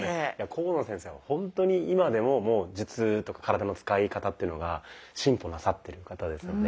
甲野先生はほんとに今でも術とか体の使い方っていうのが進歩なさってる方ですので。